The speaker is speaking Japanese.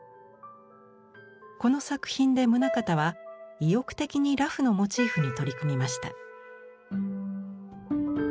この作品で棟方は意欲的に裸婦のモチーフに取り組みました。